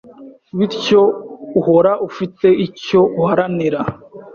bityo uhora ufite icyo uharanira.